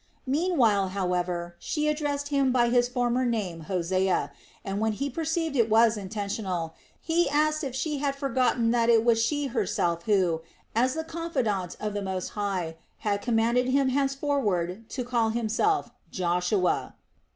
Meanwhile, however, she addressed him by his former name Hosea, and when he perceived it was intentional, he asked if she had forgotten that it was she herself who, as the confidante of the Most High, had commanded him henceforward to call himself "Joshua."